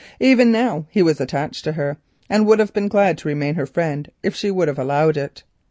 Even now he was attached to her, and would have been glad to remain her friend if she would have allowed it.